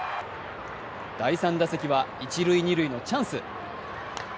第３打席は一・二塁のチャンス。